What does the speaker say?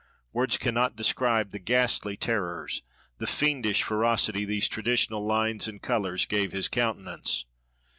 Words cannot describe the ghastly terrors, the fiendish ferocity these traditional lines and colors gave his countenance.